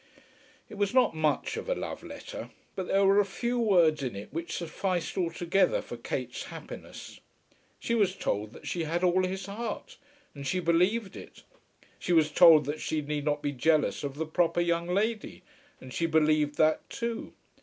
It was not much of a love letter, but there were a few words in it which sufficed altogether for Kate's happiness. She was told that she had all his heart, and she believed it. She was told that she need not be jealous of the proper young lady, and she believed that too.